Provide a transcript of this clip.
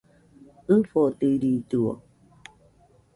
ɨfodiridɨo